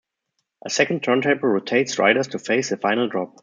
A second turntable rotates riders to face the final drop.